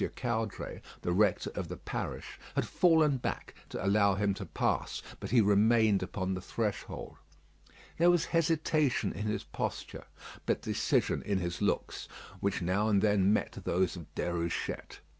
Caudray, the rector of the parish, had fallen back to allow him to pass; but he remained upon the threshold. There was hesitation in his posture, but decision in his looks, which now and then met those of Déruchette.